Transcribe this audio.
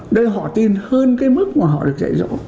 đây họ tin hơn cái mức mà họ được dạy rõ